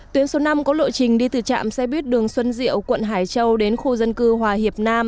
tuyến số năm có lộ trình đi từ trạm xe buýt đường xuân diệu quận hải châu đến khu dân cư hòa hiệp nam